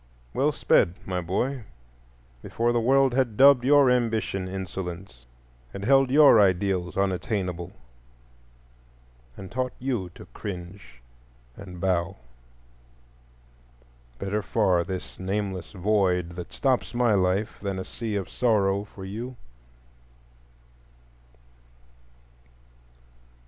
Well sped, my boy, before the world had dubbed your ambition insolence, had held your ideals unattainable, and taught you to cringe and bow. Better far this nameless void that stops my life than a sea of sorrow for you.